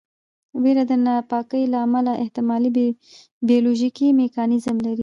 ویره د ناپاکۍ له امله احتمالي بیولوژیکي میکانیزم لري.